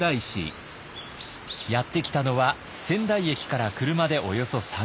やって来たのは仙台駅から車でおよそ３０分。